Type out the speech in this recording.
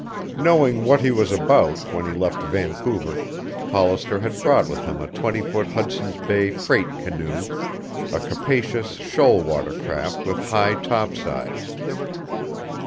Knowing what he was about when he left Vancouver, Hollister had brought with him a twenty foot Hudson's Bay freight canoe, a capacious shoal water craft with high topsides.